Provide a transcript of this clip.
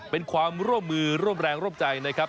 เป็นความร่วมมือร่วมแรงร่วมใจนะครับ